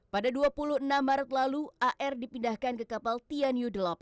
pada dua puluh enam maret lalu ar dipindahkan ke kapal tianyu delapan